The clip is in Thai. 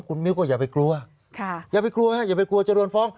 คุณมิ้วก็อย่าไปกลัวอย่าไปกลัวฮะอย่าไปกลัวจะโดนฟ้อง